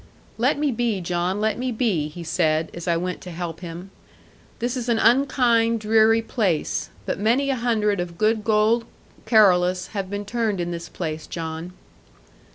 'Let me be, John, let me be,' he said, as I went to help him; 'this is an unkind dreary place; but many a hundred of good gold Carolus has been turned in this place, John.'